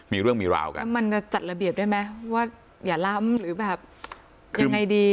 มีเรื่องมีราวกันแล้วมันจะจัดระเบียบได้ไหมว่าอย่าล้ำหรือแบบยังไงดี